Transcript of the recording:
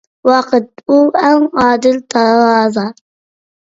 ۋاقىت، ئۇ ئەڭ ئادىل تارازا.